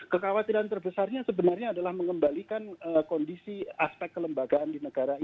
kekhawatiran terbesarnya sebenarnya adalah mengembalikan kondisi aspek kelembagaan di negara ini